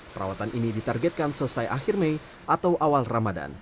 perawatan ini ditargetkan selesai akhir mei atau awal ramadan